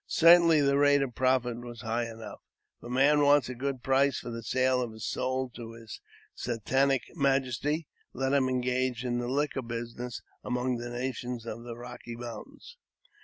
Certainly the rate of profit was high enough ; if a man wants a good price for the sale of his soul to his satanic majesty, let him engage in the liquor business among the nations of the Rocky Mountains.